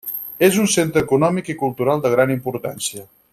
És un centre econòmic i cultural de gran importància.